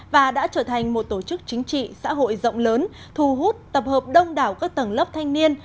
và đã trở thành một tổ chức chính trị xã hội rộng lớn thu hút tập hợp đông đảo các tầng lớp thanh niên